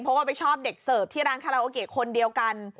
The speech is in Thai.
เพราะว่าไปชอบเด็กเสิร์ฟที่ร้านคาราโอเกะคนเดียวกัน